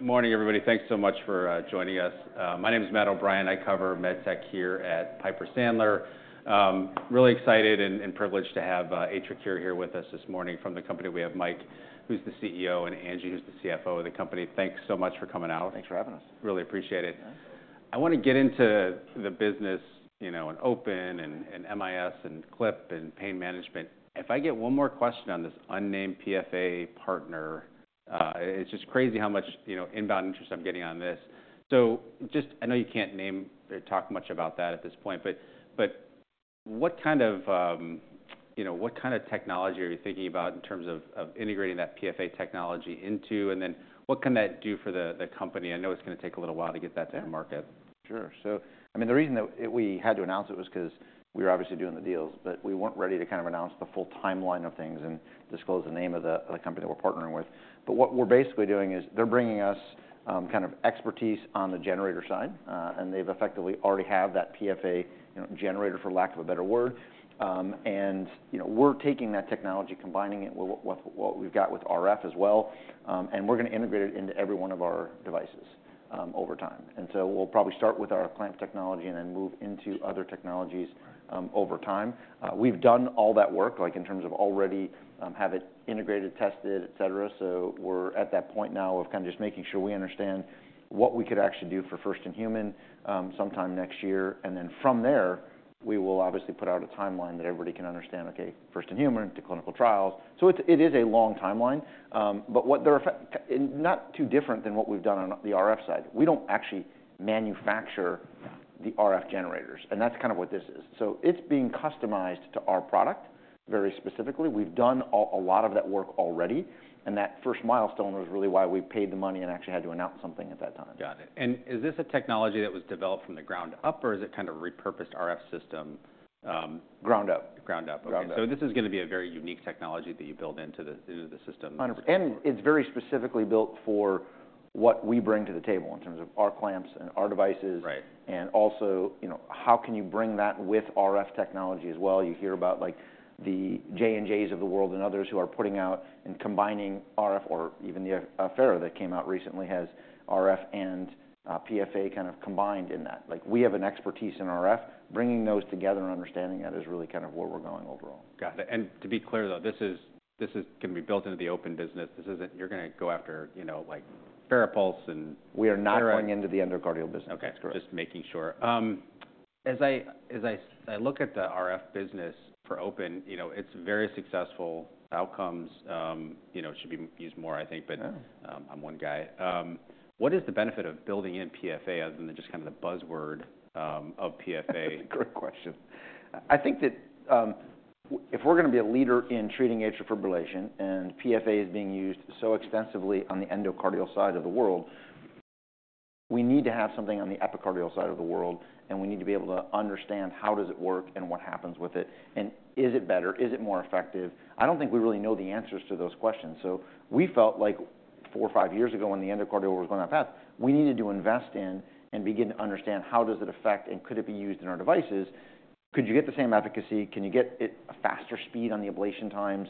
Good morning, everybody. Thanks so much for joining us. My name is Matt O'Brien. I cover med tech here at Piper Sandler. Really excited and privileged to have AtriCure here with us this morning. From the company, we have Mike, who's the CEO, and Angie, who's the CFO of the company. Thanks so much for coming out. Thanks for having us. Really appreciate it. I want to get into the business, you know, and open, and MIS, and Clip, and Pain Management. If I get one more question on this unnamed PFA partner, it's just crazy how much inbound interest I'm getting on this. So just, I know you can't name or talk much about that at this point, but what kind of, you know, what kind of technology are you thinking about in terms of integrating that PFA technology into, and then what can that do for the company? I know it's going to take a little while to get that to market. Sure. So, I mean, the reason that we had to announce it was because we were obviously doing the deals, but we weren't ready to kind of announce the full timeline of things and disclose the name of the company that we're partnering with. But what we're basically doing is they're bringing us kind of expertise on the generator side, and they've effectively already have that PFA generator, for lack of a better word. And, you know, we're taking that technology, combining it with what we've got with RF as well, and we're going to integrate it into every one of our devices over time. And so we'll probably start with our clamp technology and then move into other technologies over time. We've done all that work, like in terms of already have it integrated, tested, et cetera. So we're at that point now of kind of just making sure we understand what we could actually do for first-in-human sometime next year. And then from there, we will obviously put out a timeline that everybody can understand, okay, first-in-human to clinical trials. It is a long timeline, but it's not too different than what we've done on the RF side. We don't actually manufacture the RF generators, and that's kind of what this is. So it's being customized to our product very specifically. We've done a lot of that work already, and that first milestone was really why we paid the money and actually had to announce something at that time. Got it. And is this a technology that was developed from the ground up, or is it kind of a repurposed RF system? Ground up. Ground up. Okay. So this is going to be a very unique technology that you build into the system. 100%. And it's very specifically built for what we bring to the table in terms of our clamps and our devices. And also, you know, how can you bring that with RF technology as well? You hear about like the J&Js of the world and others who are putting out and combining RF, or even the Affera that came out recently has RF and PFA kind of combined in that. Like we have an expertise in RF. Bringing those together and understanding that is really kind of where we're going overall. Got it. And to be clear, though, this is going to be built into the open business. This isn't you're going to go after, you know, like FARAPULSE and. We are not going into the endocardial business. Okay. Just making sure. As I look at the RF business for open, you know, it's very successful. Outcomes, you know, should be used more, I think, but I'm one guy. What is the benefit of building in PFA other than just kind of the buzzword of PFA? Great question. I think that if we're going to be a leader in treating atrial fibrillation and PFA is being used so extensively on the endocardial side of the world, we need to have something on the epicardial side of the world, and we need to be able to understand how does it work and what happens with it, and is it better, is it more effective? I don't think we really know the answers to those questions. So we felt like four or five years ago when the endocardial was going that fast, we needed to invest in and begin to understand how does it affect and could it be used in our devices? Could you get the same efficacy? Can you get a faster speed on the ablation times?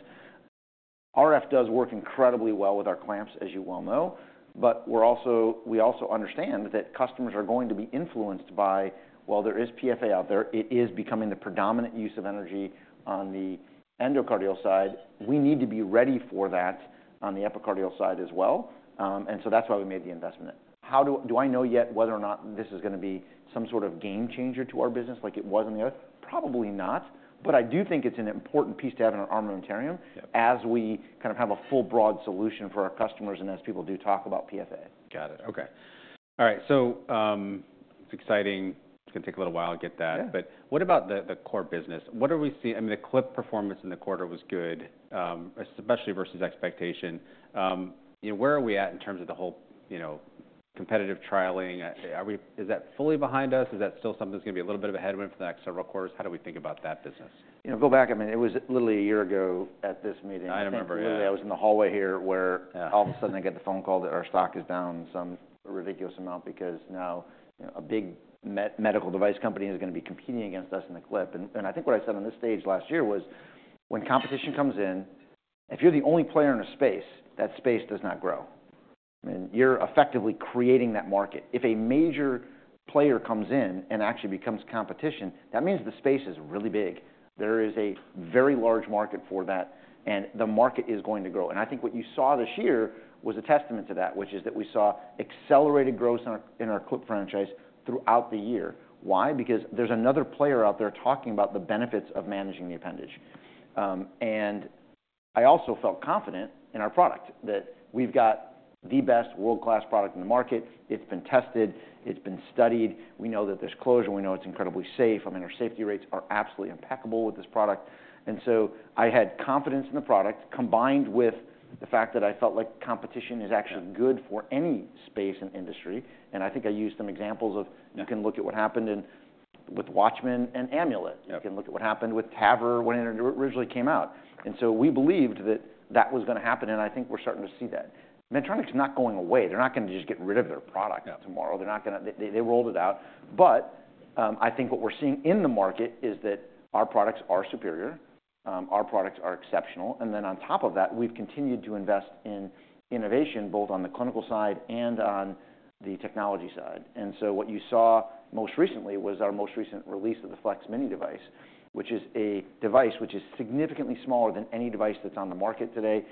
RF does work incredibly well with our clamps, as you well know, but we also understand that customers are going to be influenced by, while there is PFA out there, it is becoming the predominant use of energy on the endocardial side. We need to be ready for that on the epicardial side as well, and so that's why we made the investment. Do I know yet whether or not this is going to be some sort of game changer to our business like it was on the other? Probably not, but I do think it's an important piece to have in our armamentarium as we kind of have a full broad solution for our customers and as people do talk about PFA. Got it. Okay. All right. So it's exciting. It's going to take a little while to get that, but what about the core business? What are we seeing? I mean, the Clip performance in the quarter was good, especially versus expectation. You know, where are we at in terms of the whole, you know, competitive trialing? Is that fully behind us? Is that still something that's going to be a little bit of a headwind for the next several quarters? How do we think about that business? You know, go back, I mean, it was literally a year ago at this meeting. I remember, yeah. I was in the hallway here where all of a sudden I get the phone call that our stock is down some ridiculous amount because now a big medical device company is going to be competing against us in the Clip. And I think what I said on this stage last year was when competition comes in, if you're the only player in a space, that space does not grow. I mean, you're effectively creating that market. If a major player comes in and actually becomes competition, that means the space is really big. There is a very large market for that, and the market is going to grow. And I think what you saw this year was a testament to that, which is that we saw accelerated growth in our Clip franchise throughout the year. Why? Because there's another player out there talking about the benefits of managing the appendage. And I also felt confident in our product that we've got the best world-class product in the market. It's been tested. It's been studied. We know that there's closure. We know it's incredibly safe. I mean, our safety rates are absolutely impeccable with this product. And so I had confidence in the product combined with the fact that I felt like competition is actually good for any space and industry. And I think I used some examples of you can look at what happened with Watchman and Amulet. You can look at what happened with TAVR when it originally came out. And so we believed that that was going to happen, and I think we're starting to see that. Medtronic's not going away. They're not going to just get rid of their product tomorrow. They're not going to, they rolled it out, but I think what we're seeing in the market is that our products are superior. Our products are exceptional, and then on top of that, we've continued to invest in innovation both on the clinical side and on the technology side, and so what you saw most recently was our most recent release of the Flex Mini device, which is a device that is significantly smaller than any device that's on the market today.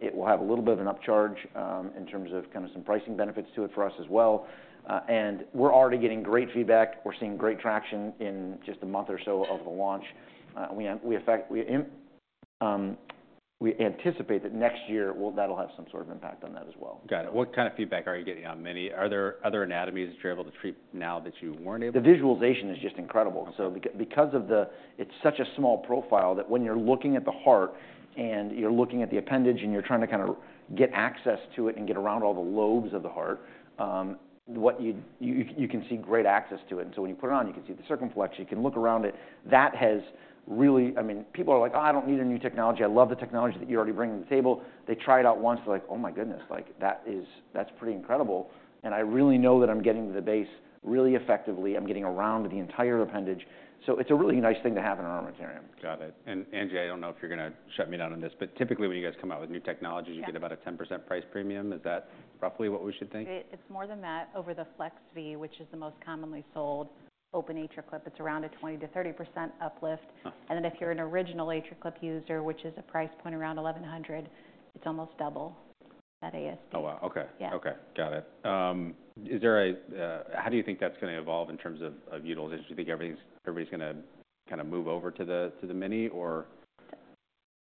It will have a little bit of an upcharge in terms of kind of some pricing benefits to it for us as well, and we're already getting great feedback. We're seeing great traction in just a month or so of the launch. We anticipate that next year that'll have some sort of impact on that as well. Got it. What kind of feedback are you getting on Mini? Are there other anatomies that you're able to treat now that you weren't able to? The visualization is just incredible, so because of the, it's such a small profile that when you're looking at the heart and you're looking at the appendage and you're trying to kind of get access to it and get around all the lobes of the heart, you can see great access to it, and so when you put it on, you can see the circumflex. You can look around it. That has really, I mean, people are like, "Oh, I don't need a new technology. I love the technology that you're already bringing to the table." They try it out once. They're like, "Oh my goodness, like that is, that's pretty incredible," and I really know that I'm getting the base really effectively. I'm getting around the entire appendage, so it's a really nice thing to have in our armamentarium. Got it. And Angie, I don't know if you're going to shut me down on this, but typically when you guys come out with new technologies, you get about a 10% price premium. Is that roughly what we should think? It's more than that over the Flex V, which is the most commonly sold open AtriClip. It's around a 20%-30% uplift, and then if you're an original AtriClip user, which is a price point around $1,100, it's almost double at ASP. Oh, wow. Okay. Okay. Got it. Is there a, how do you think that's going to evolve in terms of utilization? Do you think everybody's going to kind of move over to the Mini or?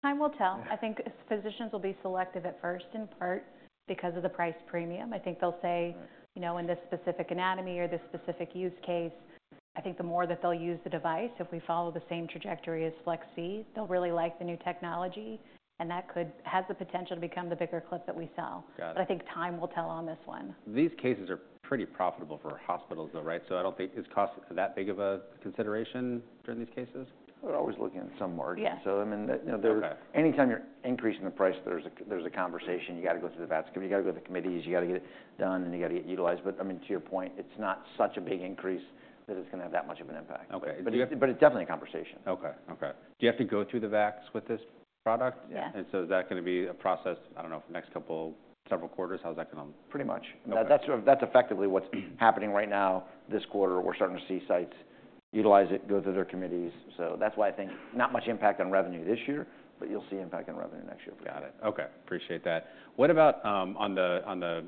Time will tell. I think physicians will be selective at first in part because of the price premium. I think they'll say, you know, in this specific anatomy or this specific use case, I think the more that they'll use the device, if we follow the same trajectory as Flex V, they'll really like the new technology, and that could, has the potential to become the bigger Clip that we sell. But I think time will tell on this one. These cases are pretty profitable for hospitals though, right? So I don't think it's cost that big of a consideration during these cases. We're always looking at some margin, so I mean, you know, anytime you're increasing the price, there's a conversation. You got to go through the VAC committee. You got to go through the committees. You got to get it done, and you got to get utilized. But I mean, to your point, it's not such a big increase that it's going to have that much of an impact, but it's definitely a conversation. Okay. Do you have to go through the VATS with this product? Yeah. And so is that going to be a process, I don't know, for the next couple, several quarters? How's that going to? Pretty much. That's effectively what's happening right now. This quarter, we're starting to see sites utilize it, go through their committees. So that's why I think not much impact on revenue this year, but you'll see impact on revenue next year. Got it. Okay. Appreciate that. What about on the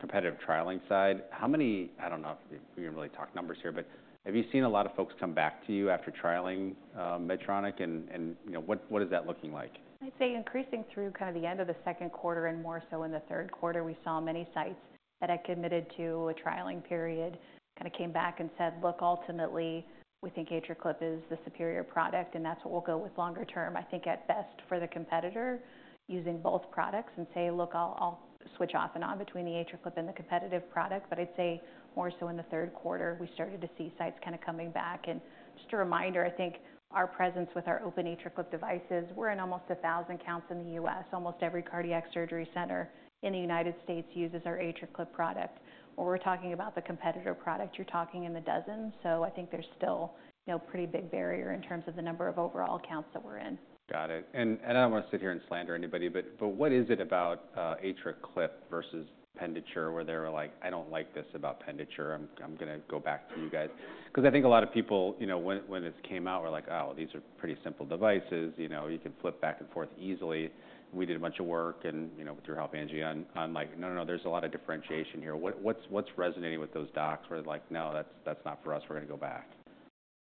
competitive trialing side? How many, I don't know, we didn't really talk numbers here, but have you seen a lot of folks come back to you after trialing Medtronic? And you know, what is that looking like? I'd say increasing through kind of the end of the second quarter and more so in the third quarter, we saw many sites that had committed to a trialing period, kind of came back and said, "Look, ultimately we think AtriClip is the superior product, and that's what we'll go with longer term." I think at best for the competitor using both products and say, "Look, I'll switch off and on between the AtriClip and the competitive product." But I'd say more so in the third quarter, we started to see sites kind of coming back. And just a reminder, I think our presence with our Open AtriClip devices, we're in almost 1,000 counts in the U.S. Almost every cardiac surgery center in the United States uses our AtriClip product. When we're talking about the competitor product, you're talking in the dozens. So I think there's still, you know, a pretty big barrier in terms of the number of overall counts that we're in. Got it, and I don't want to sit here and slander anybody, but what is it about AtriClip versus Penditure where they were like, "I don't like this about Penditure. I'm going to go back to you guys." Because I think a lot of people, you know, when this came out, we're like, "Oh, these are pretty simple devices. You know, you can flip back and forth easily." We did a bunch of work and, you know, through help, Angie, on like, "No, no, no, there's a lot of differentiation here. What's resonating with those docs where like, no, that's not for us. We're going to go back.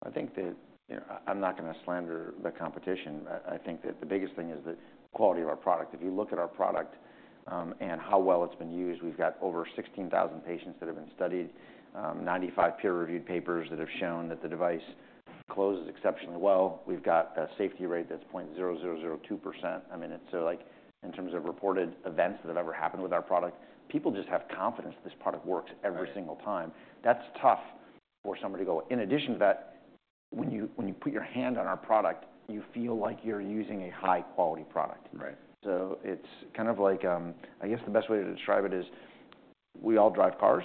I think that, you know, I'm not going to slander the competition. I think that the biggest thing is the quality of our product. If you look at our product and how well it's been used, we've got over 16,000 patients that have been studied, 95 peer-reviewed papers that have shown that the device closes exceptionally well. We've got a safety rate that's 0.0002%. I mean, it's like in terms of reported events that have ever happened with our product, people just have confidence that this product works every single time. That's tough for somebody to go. In addition to that, when you put your hand on our product, you feel like you're using a high-quality product. So it's kind of like, I guess the best way to describe it is we all drive cars,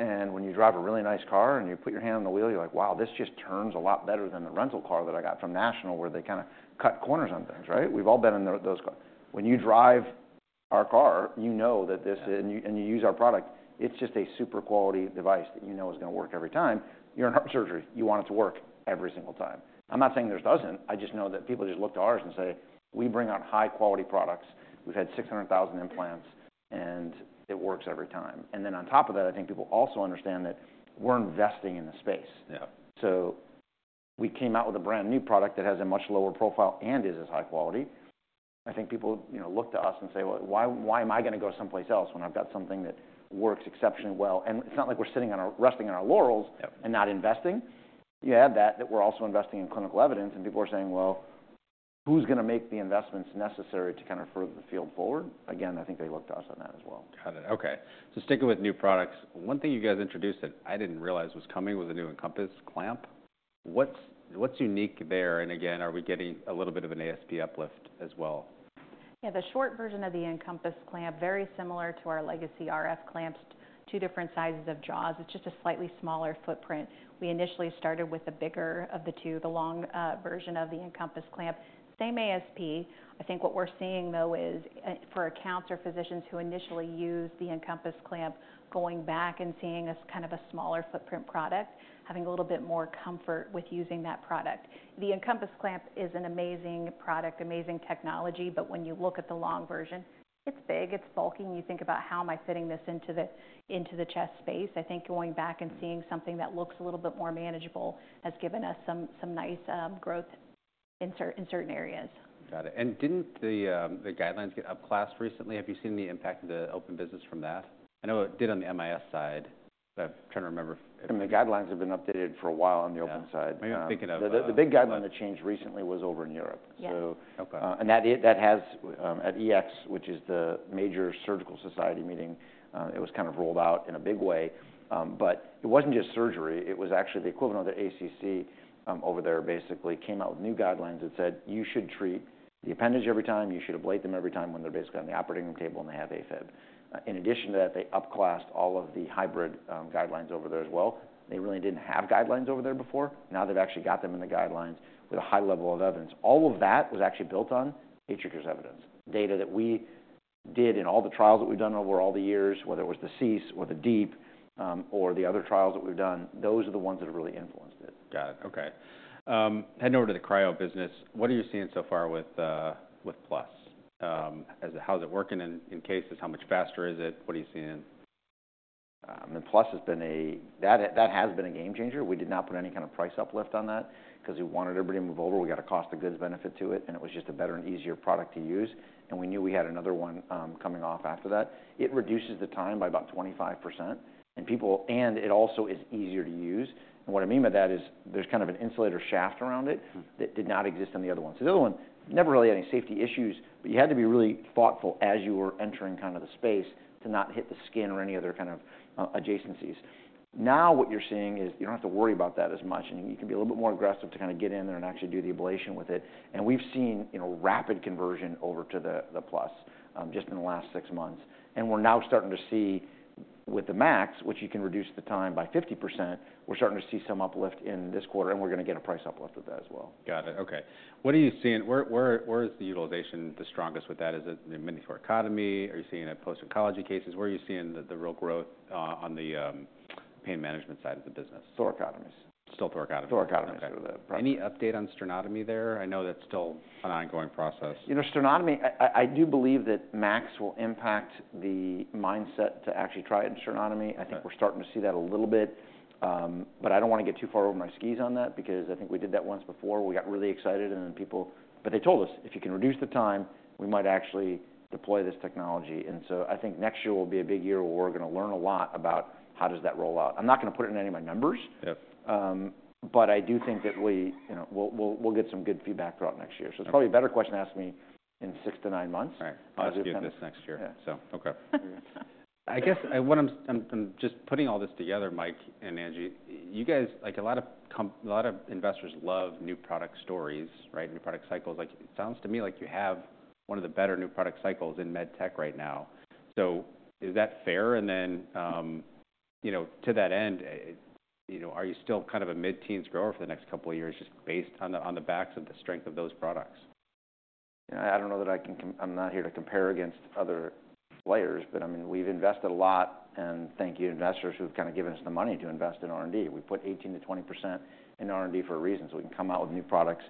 and when you drive a really nice car and you put your hand on the wheel, you're like, "Wow, this just turns a lot better than the rental car that I got from National where they kind of cut corners on things," right? We've all been in those cars. When you drive our car, you know that this, and you use our product, it's just a super quality device that you know is going to work every time. You're in heart surgery. You want it to work every single time. I'm not saying there doesn't. I just know that people just look to ours and say, "We bring out high-quality products. We've had 600,000 implants, and it works every time," and then on top of that, I think people also understand that we're investing in the space, so we came out with a brand new product that has a much lower profile and is as high quality. I think people, you know, look to us and say, "Well, why am I going to go someplace else when I've got something that works exceptionally well," and it's not like we're sitting on our, resting on our laurels and not investing. You add that, that we're also investing in clinical evidence, and people are saying, "Well, who's going to make the investments necessary to kind of further the field forward." Again, I think they look to us on that as well. Got it. Okay. So sticking with new products, one thing you guys introduced that I didn't realize was coming was a new Encompass clamp. What's unique there? And again, are we getting a little bit of an ASP uplift as well? Yeah, the short version of the Encompass clamp, very similar to our legacy RF clamps, two different sizes of jaws. It's just a slightly smaller footprint. We initially started with a bigger of the two, the long version of the Encompass clamp. Same ASP. I think what we're seeing though is for accounts or physicians who initially used the Encompass clamp going back and seeing as kind of a smaller footprint product, having a little bit more comfort with using that product. The Encompass clamp is an amazing product, amazing technology, but when you look at the long version, it's big, it's bulky, and you think about, "How am I fitting this into the chest space?" I think going back and seeing something that looks a little bit more manageable has given us some nice growth in certain areas. Got it. And didn't the guidelines get upclassed recently? Have you seen any impact in the open business from that? I know it did on the MIS side, but I'm trying to remember. The guidelines have been updated for a while on the open side. Yeah. I'm thinking of that. The big guideline that changed recently was over in Europe. And that has at EACTS, which is the major surgical society meeting. It was kind of rolled out in a big way. But it wasn't just surgery. It was actually the equivalent of the ACC over there. Basically came out with new guidelines that said you should treat the appendage every time. You should ablate them every time when they're basically on the operating room table and they have AFib. In addition to that, they upclassed all of the hybrid guidelines over there as well. They really didn't have guidelines over there before. Now they've actually got them in the guidelines with a high level of evidence. All of that was actually built on AtriClip's evidence. Data that we did and all the trials that we've done over all the years, whether it was the CEASE or the DEEP or the other trials that we've done, those are the ones that have really influenced it. Got it. Okay. Heading over to the cryo business, what are you seeing so far with Plus? How's it working in cases? How much faster is it? What are you seeing? I mean, Plus has been a, that has been a game changer. We did not put any kind of price uplift on that because we wanted everybody to move over. We got a cost of goods benefit to it, and it was just a better and easier product to use. And we knew we had another one coming off after that. It reduces the time by about 25%. And it also is easier to use. And what I mean by that is there's kind of an insulator shaft around it that did not exist on the other one. So the other one never really had any safety issues, but you had to be really thoughtful as you were entering kind of the space to not hit the skin or any other kind of adjacencies. Now what you're seeing is you don't have to worry about that as much, and you can be a little bit more aggressive to kind of get in there and actually do the ablation with it. And we've seen, you know, rapid conversion over to the Plus just in the last six months. And we're now starting to see with the MAX, which you can reduce the time by 50%, we're starting to see some uplift in this quarter, and we're going to get a price uplift with that as well. Got it. Okay. What are you seeing? Where is the utilization the strongest with that? Is it in Mini Thoracotomy? Are you seeing it in post-oncology cases? Where are you seeing the real growth on the Pain Management side of the business? Thoracotomies. Still thoracotomies. Thoracotomies. Any update on sternotomy there? I know that's still an ongoing process. You know, sternotomy. I do believe that MAX will impact the mindset to actually try it in sternotomy. I think we're starting to see that a little bit, but I don't want to get too far over my skis on that because I think we did that once before. We got really excited, and then people, but they told us if you can reduce the time, we might actually deploy this technology, and so I think next year will be a big year where we're going to learn a lot about how does that roll out. I'm not going to put it in any of my numbers, but I do think that we, you know, we'll get some good feedback throughout next year, so it's probably a better question to ask me in six to nine months. Right. I'll ask you this next year. So, okay. I guess what I'm just putting all this together, Mike and Angie, you guys, like a lot of investors love new product stories, right? New product cycles. Like it sounds to me like you have one of the better new product cycles in med tech right now. So is that fair? And then, you know, to that end, you know, are you still kind of a mid-teens grower for the next couple of years just based on the backs of the strength of those products? You know, I don't know that I can. I'm not here to compare against other players, but I mean, we've invested a lot, and thank you investors who've kind of given us the money to invest in R&D. We put 18%-20% in R&D for a reason. So we can come out with new products.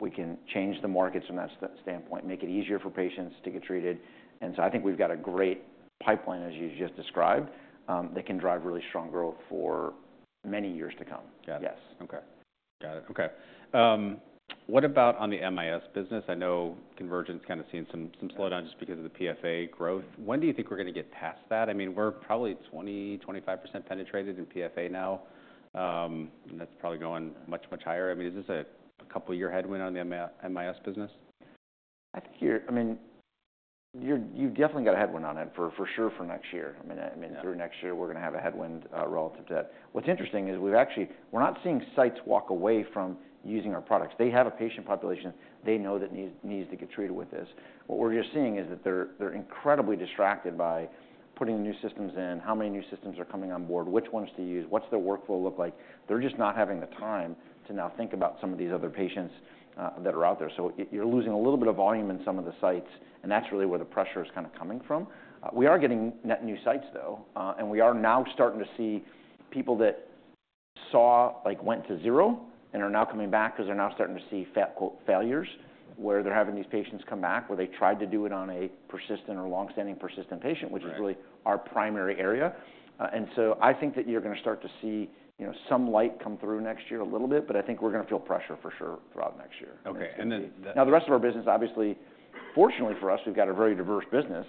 We can change the markets from that standpoint, make it easier for patients to get treated. And so I think we've got a great pipeline, as you just described, that can drive really strong growth for many years to come. Yes. Okay. Got it. Okay. What about on the MIS business? I know Convergent kind of seen some slowdown just because of the PFA growth. When do you think we're going to get past that? I mean, we're probably 20%-25% penetrated in PFA now. And that's probably going much, much higher. I mean, is this a couple-year headwind on the MIS business? I think you're, I mean, you've definitely got a headwind on it for sure for next year. I mean, through next year, we're going to have a headwind relative to that. What's interesting is we've actually, we're not seeing sites walk away from using our products. They have a patient population. They know that needs to get treated with this. What we're just seeing is that they're incredibly distracted by putting new systems in, how many new systems are coming on board, which ones to use, what's their workflow look like? They're just not having the time to now think about some of these other patients that are out there. So you're losing a little bit of volume in some of the sites, and that's really where the pressure is kind of coming from. We are getting net new sites though, and we are now starting to see people that saw, like, went to zero and are now coming back because they're now starting to see failures where they're having these patients come back where they tried to do it on a persistent or long-standing persistent patient, which is really our primary area. And so I think that you're going to start to see, you know, some light come through next year a little bit, but I think we're going to feel pressure for sure throughout next year. Okay. And then. Now the rest of our business, obviously, fortunately for us, we've got a very diverse business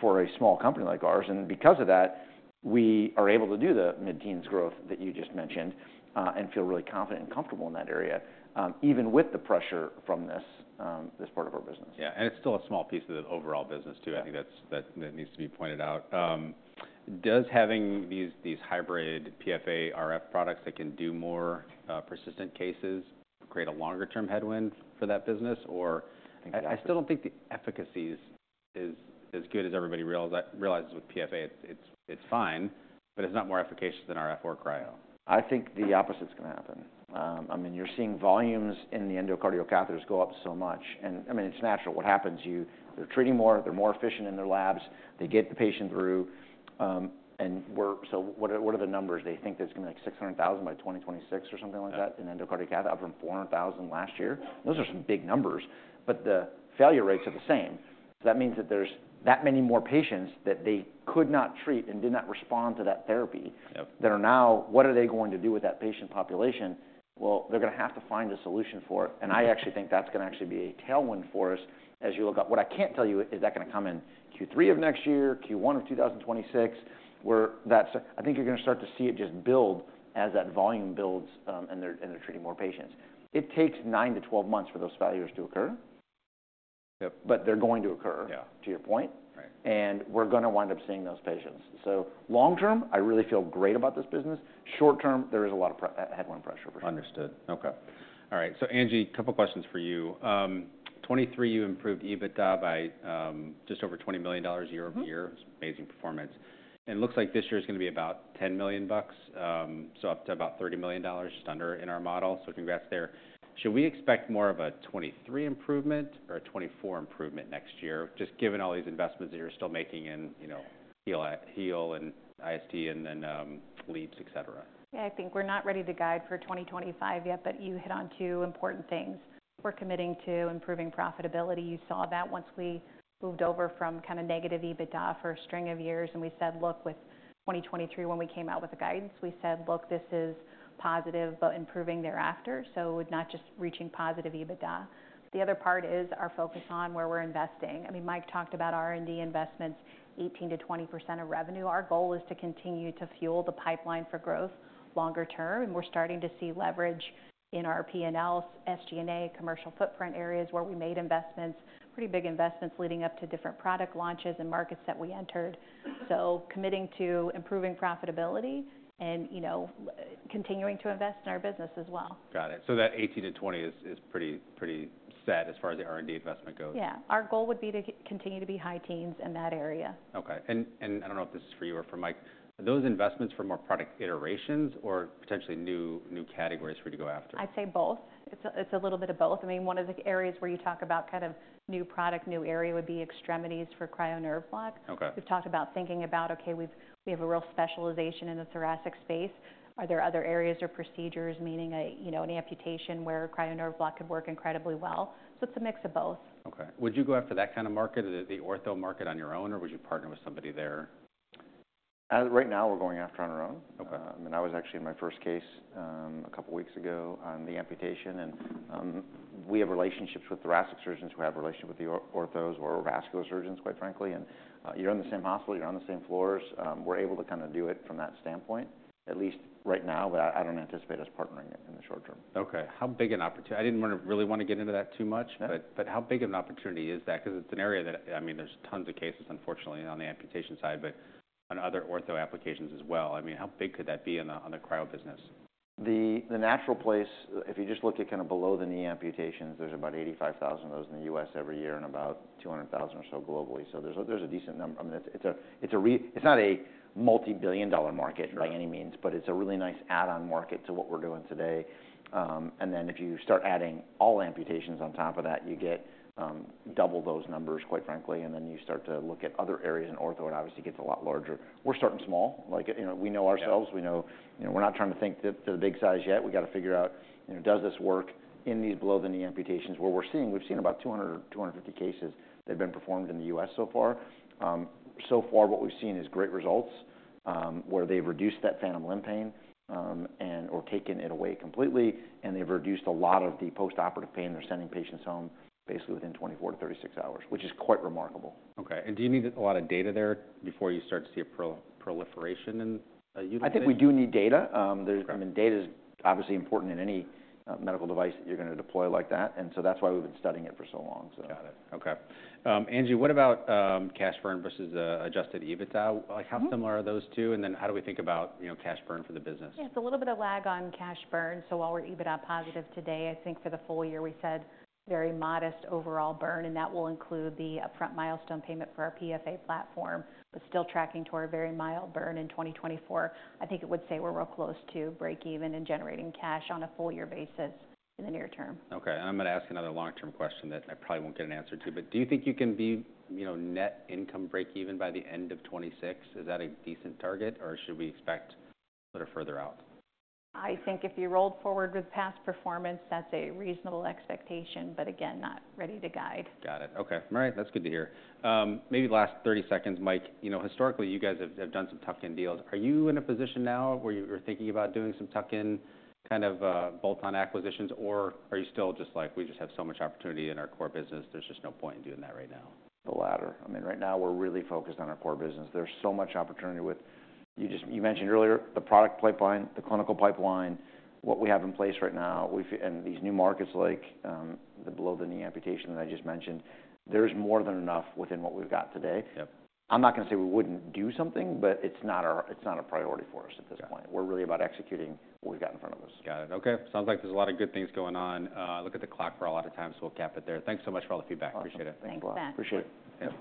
for a small company like ours, and because of that, we are able to do the mid-teens growth that you just mentioned and feel really confident and comfortable in that area, even with the pressure from this part of our business. Yeah. And it's still a small piece of the overall business too. I think that needs to be pointed out. Does having these hybrid PFA RF products that can do more persistent cases create a longer-term headwind for that business? Or I still don't think the efficacy is as good as everybody realizes with PFA. It's fine, but it's not more efficacious than RF or cryo. I think the opposite's going to happen. I mean, you're seeing volumes in the endocardial catheters go up so much. And I mean, it's natural. What happens? They're treating more. They're more efficient in their labs. They get the patient through. And so what are the numbers? They think that's going to be like 600,000 by 2026 or something like that in endocardial catheters up from 400,000 last year. Those are some big numbers. But the failure rates are the same. So that means that there's that many more patients that they could not treat and did not respond to that therapy that are now, what are they going to do with that patient population? Well, they're going to have to find a solution for it. And I actually think that's going to actually be a tailwind for us as you look up. What I can't tell you is when that's going to come in Q3 of next year, Q1 of 2026. I think you're going to start to see it just build as that volume builds and they're treating more patients. It takes nine to 12 months for those failures to occur, but they're going to occur to your point, and we're going to wind up seeing those patients, so long term, I really feel great about this business. Short term, there is a lot of headwind pressure for sure. Understood. Okay. All right. So Angie, a couple of questions for you. 2023, you improved EBITDA by just over $20 million year over year. It's amazing performance. And it looks like this year is going to be about $10 million. So up to about $30 million just under in our model. So congrats there. Should we expect more of a 2023 improvement or a 2024 improvement next year? Just given all these investments that you're still making in, you know, HEAL-IST and then LeAAPS, etc. Yeah, I think we're not ready to guide for 2025 yet, but you hit on two important things. We're committing to improving profitability. You saw that once we moved over from kind of negative EBITDA for a string of years. And we said, look, with 2023, when we came out with the guidance, we said, look, this is positive, but improving thereafter. So not just reaching positive EBITDA. The other part is our focus on where we're investing. I mean, Mike talked about R&D investments, 18%-20% of revenue. Our goal is to continue to fuel the pipeline for growth longer term. And we're starting to see leverage in our P&Ls, SG&A, commercial footprint areas where we made investments, pretty big investments leading up to different product launches and markets that we entered. So committing to improving profitability and, you know, continuing to invest in our business as well. Got it. So that 18%-20% is pretty set as far as the R&D investment goes. Yeah. Our goal would be to continue to be high teens in that area. Okay, and I don't know if this is for you or for Mike. Are those investments for more product iterations or potentially new categories for you to go after? I'd say both. It's a little bit of both. I mean, one of the areas where you talk about kind of new product, new area would be extremities for Cryo Nerve Block. We've talked about thinking about, okay, we have a real specialization in the thoracic space. Are there other areas or procedures, meaning an amputation where Cryo Nerve Block could work incredibly well? So it's a mix of both. Okay. Would you go after that kind of market, the ortho market on your own, or would you partner with somebody there? Right now we're going after on our own. I mean, I was actually in my first case a couple of weeks ago on the appendage, and we have relationships with thoracic surgeons who have relationships with the orthos or vascular surgeons, quite frankly, and you're in the same hospital, you're on the same floors. We're able to kind of do it from that standpoint, at least right now, but I don't anticipate us partnering in the short term. Okay. How big an opportunity? I didn't really want to get into that too much, but how big of an opportunity is that? Because it's an area that, I mean, there's tons of cases, unfortunately, on the amputation side, but on other ortho applications as well. I mean, how big could that be on the cryo business? The natural place, if you just look at kind of below the knee amputations, there's about 85,000 of those in the U.S. every year and about 200,000 or so globally, so there's a decent number. I mean, it's not a multi-billion dollar market by any means, but it's a really nice add-on market to what we're doing today, and then if you start adding all amputations on top of that, you get double those numbers, quite frankly, and then you start to look at other areas in ortho and obviously it gets a lot larger. We're starting small, like, you know, we know ourselves. We know, you know, we're not trying to think to the big size yet. We got to figure out, you know, does this work in these below the knee amputations where we're seeing, we've seen about 200-250 cases that have been performed in the U.S. so far. So far, what we've seen is great results where they've reduced that phantom limb pain and/or taken it away completely, and they've reduced a lot of the post-operative pain. They're sending patients home basically within 24 to 36 hours, which is quite remarkable. Okay. And do you need a lot of data there before you start to see a proliferation in utility? I think we do need data. I mean, data is obviously important in any medical device that you're going to deploy like that. And so that's why we've been studying it for so long. Got it. Okay. Angie, what about cash burn versus adjusted EBITDA? Like how similar are those two? And then how do we think about, you know, cash burn for the business? Yeah, it's a little bit of lag on cash burn. So while we're EBITDA positive today, I think for the full year we said very modest overall burn. And that will include the upfront milestone payment for our PFA platform, but still tracking toward a very mild burn in 2024. I think it would say we're real close to break even and generating cash on a full year basis in the near term. Okay. I'm going to ask another long-term question that I probably won't get an answer to, but do you think you can be, you know, net income break even by the end of 2026? Is that a decent target or should we expect a little further out? I think if you rolled forward with past performance, that's a reasonable expectation, but again, not ready to guide. Got it. Okay. All right. That's good to hear. Maybe last 30 seconds, Mike, you know, historically you guys have done some tuck-in deals. Are you in a position now where you're thinking about doing some tuck-in kind of bolt-on acquisitions, or are you still just like, we just have so much opportunity in our core business, there's just no point in doing that right now? The latter. I mean, right now we're really focused on our core business. There's so much opportunity with, you just, you mentioned earlier, the product pipeline, the clinical pipeline, what we have in place right now, and these new markets like the below the knee amputation that I just mentioned. There's more than enough within what we've got today. I'm not going to say we wouldn't do something, but it's not a priority for us at this point. We're really about executing what we've got in front of us. Got it. Okay. Sounds like there's a lot of good things going on. Look at the clock for a lot of times, so we'll cap it there. Thanks so much for all the feedback. Appreciate it. Thanks. Appreciate it.